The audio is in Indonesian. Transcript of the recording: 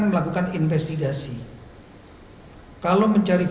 menang ke ard manner